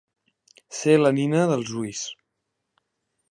Ser la nina dels ulls.